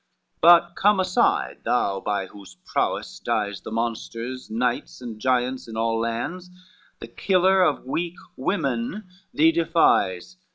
V "But come aside, thou by whose prowess dies The monsters, knights and giants in all lands, The killer of weak women thee defies."